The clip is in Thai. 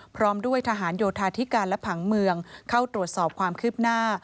พร้อมด้วยทหารโยธาธิการและผังเมืองเข้าตรวจสอบความคืบหน้า